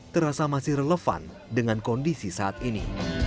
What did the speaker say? terasa masih relevan dengan kondisi saat ini